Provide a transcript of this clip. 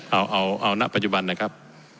เอาณปัจจุบันนะครับ